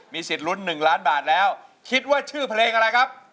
สิทธิ์ลุ้น๑ล้านบาทแล้วคิดว่าชื่อเพลงอะไรครับ